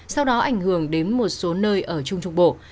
sau đó ảnh hưởng đến một số nơi ở trung trung bộ